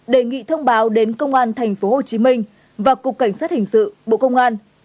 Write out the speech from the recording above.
đề nghị thông báo đến công an tp hcm và cục cảnh sát hình sự bộ công an